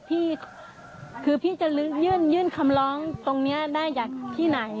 พี่คือพี่จะยื่นคำร้องตรงนี้ได้จากที่ไหน